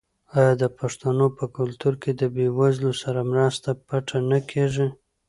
آیا د پښتنو په کلتور کې د بې وزلو سره مرسته پټه نه کیږي؟